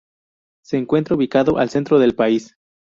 Se encuentra ubicada al centro del país.